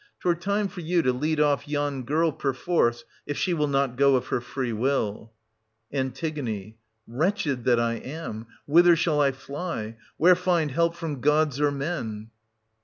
'Twere time for you to lead off yon girl perforce, \i she will not go of her free will. An. Wretched that I am! whither shall I fly?— where find help from gods or men ? Ch.